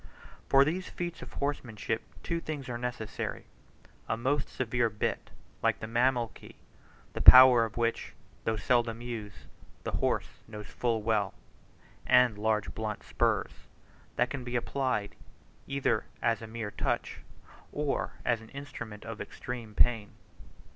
For these feats of horsemanship two things are necessary: a most severe bit, like the Mameluke, the power of which, though seldom used, the horse knows full well; and large blunt spurs, that can be applied either as a mere touch, or as an instrument of extreme pain.